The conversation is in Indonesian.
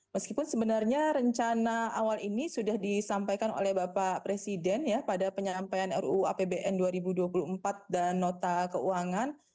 meskipun sebenarnya rencana awal ini sudah disampaikan oleh bapak presiden ya pada penyampaian ruu apbn dua ribu dua puluh empat dan nota keuangan